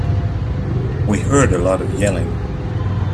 We heard a lot of yelling.